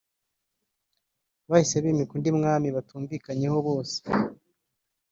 bahise bimika undi mwami (batumvikanyeho bose)